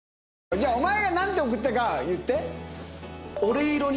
じゃあお前がなんて送ったか言って。